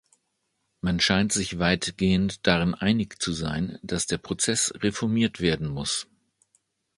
Man scheint sich weitgehend darin einig zu sein, dass der Prozess reformiert werden muss.